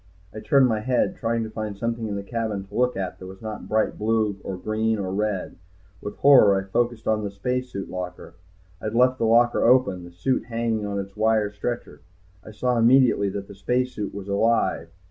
I turned my head, trying to find something in the cabin to look at that was not bright blue or green or red. With horror I focused on the spacesuit locker. I had left the locker open, the suit hanging on its wire stretcher. I saw immediately that the spacesuit was alive.